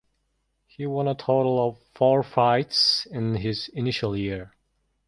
He won a total of four fights in his initial year.